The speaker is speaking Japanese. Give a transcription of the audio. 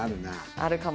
あるかも。